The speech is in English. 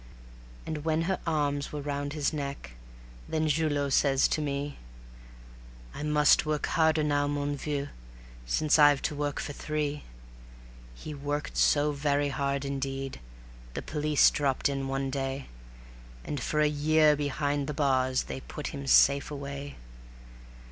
And when her arms were round his neck, then Julot says to me: "I must work harder now, mon vieux, since I've to work for three." He worked so very hard indeed, the police dropped in one day, And for a year behind the bars they put him safe away.